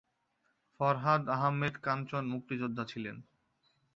ফরহাদ আহম্মেদ কাঞ্চন মুক্তিযোদ্ধা ছিলেন।